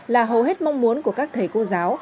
là hầu hết mong muốn của các thầy cô giáo